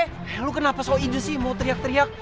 eh lu kenapa sok ijus sih mau teriak teriak